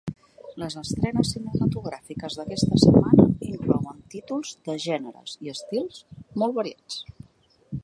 Les estrenes cinematogràfiques d'aquesta setmana inclouen títols de gèneres i estils molt variats.